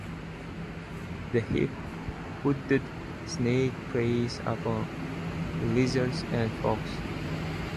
The whip hooded snake preys upon lizards and frogs.